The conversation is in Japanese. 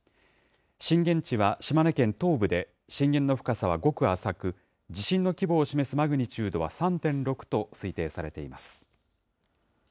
震源地は島根県東部で、震源の深さはごく浅く、地震の規模を示すマグニチュードは３．６と推定されています。